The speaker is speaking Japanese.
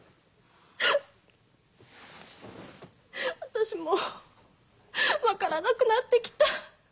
私もう分からなくなってきた。